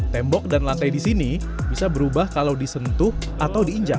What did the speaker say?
tembok dan lantai di sini bisa berubah kalau disentuh atau diinjak